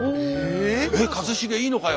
「えっ一茂いいのかよ」